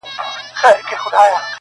هم په غره هم په ځنګله کي کیسه سره سوه٫